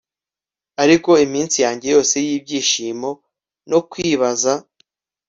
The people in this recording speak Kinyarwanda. ariko iminsi yanjye yose yibyishimo no kwibaza